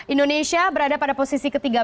indonesia berada pada posisi ke tiga belas